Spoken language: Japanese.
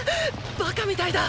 バカみたいだ！